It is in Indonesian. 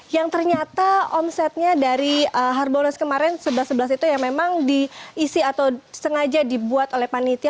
yang ternyata omsetnya dari harbolnas kemarin sebelas sebelas itu yang memang diisi atau sengaja dibuat oleh panitia